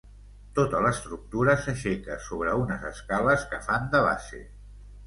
Tota l'estructura s'aixeca sobre unes escales que fan de base.